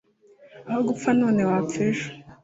Aho gupfa none wapfa ejo.